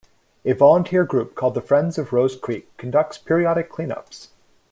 A volunteer group called the Friends of Rose Creek conducts periodic cleanups.